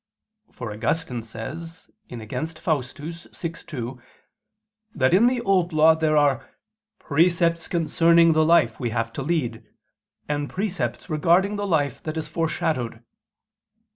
For Augustine says (Contra Faust. vi, 2) that in the Old Law there are "precepts concerning the life we have to lead, and precepts regarding the life that is foreshadowed."